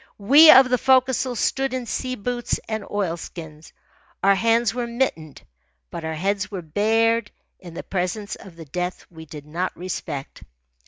We of the forecastle stood in sea boots and oilskins. Our hands were mittened, but our heads were bared in the presence of the death we did not respect.